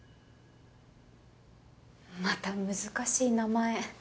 また難しい名前。